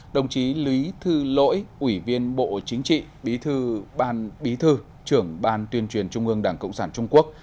đồng chí lý thư lỗi ủy viên bộ chính trị bí thư trưởng ban tuyên truyền trung ương đảng cộng sản trung quốc